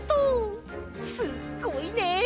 すっごいね！